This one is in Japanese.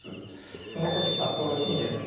その時札幌市にですね